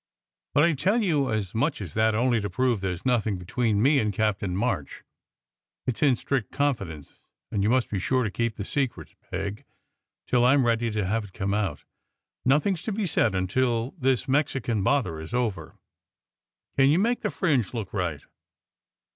But I tell you as much as that, only to prove there s nothing between me and Captain March. It s in strict confidence, and you must be sure and keep the secret, Peg, till I m ready to have it come out. Nothing s to be said until this Mexican bother is over. Can you make the fringe look right?"